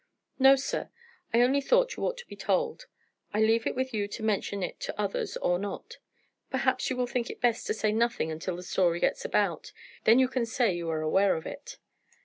"No, sir; I only thought you ought to be told. I leave it with you to mention it to others or not. Perhaps you will think it best to say nothing until the story gets about. Then you can say you are aware of it."